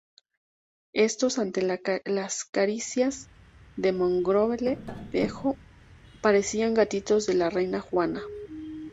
Estos ante las caricias de Mogrovejo parecían gatitos de la reina Juana.